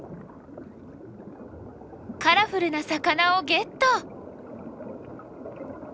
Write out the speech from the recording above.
カラフルな魚をゲット！